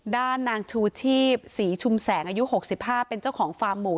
ด้านนางชูชีพศรีชุมแสงอายุ๖๕เป็นเจ้าของฟาร์มหมู